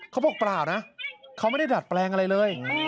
เปล่านะเขาไม่ได้ดัดแปลงอะไรเลย